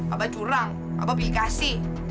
abah curang abah berikasi